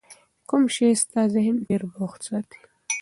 کوم شی ستا ذهن ډېر بوخت ساتي؟